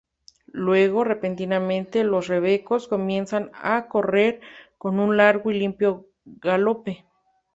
Luego, repentinamente los rebecos comienzan a correr con un largo y limpio galope.